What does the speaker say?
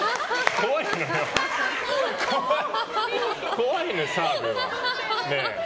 怖いのよ、澤部は。